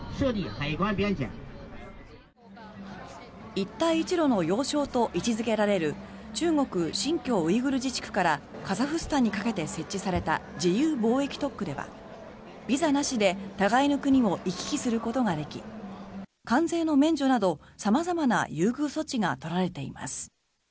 一帯一路の要衝と位置付けられる中国・新疆ウイグル自治区からカザフスタンにかけて設置された自由貿易特区ではビザなしで互いの国を行き来することができ関税の免除など様々な優遇措置が取られています。